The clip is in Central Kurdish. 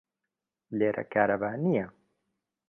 لێرە کارەبا نییە.